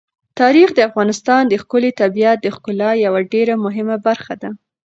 تاریخ د افغانستان د ښکلي طبیعت د ښکلا یوه ډېره مهمه برخه ده.